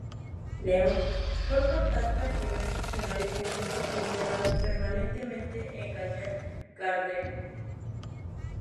Leung fue por tanto el primer funcionario público enterrado permanentemente en Gallant Garden.